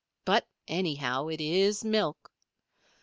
But, anyhow, it is milk.